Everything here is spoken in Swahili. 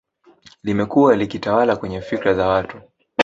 Limekua likitawala kwenye fikra za watu